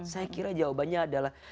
saya kira jawabannya adalah